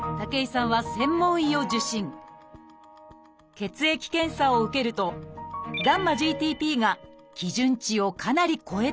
血液検査を受けるとγ−ＧＴＰが基準値をかなり超えていました